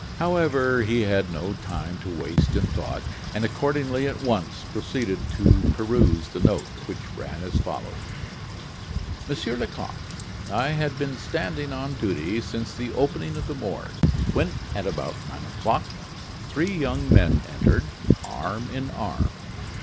However, he had no time to waste in thought, and accordingly at once proceeded to peruse the note, which ran as follows: "Monsieur Lecoq I had been standing on duty since the opening of the Morgue, when at about nine o'clock three young men entered, arm in arm.